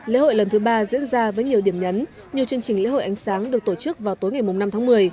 lễ hội lần thứ ba diễn ra với nhiều điểm nhấn nhiều chương trình lễ hội ánh sáng được tổ chức vào tối ngày năm tháng một mươi